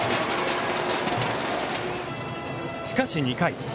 しかし、２回。